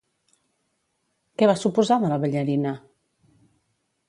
Què va suposar de la ballarina?